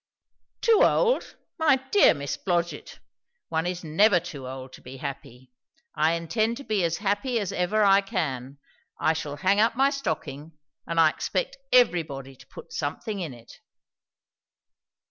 "'Too old!' My dear Miss Blodgett! One is never too old to be happy. I intend to be as happy as ever I can. I shall hang up my stocking; and I expect everybody to put something in it."